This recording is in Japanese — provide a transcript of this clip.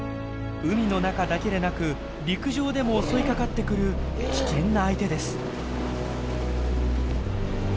海の中だけでなく陸上でも襲いかかってくる危険な相手です。